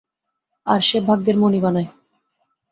আর সে ভাগ্যের মণি বানায়?